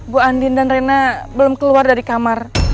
bu andin dan rena belum keluar dari kamar